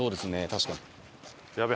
確かに。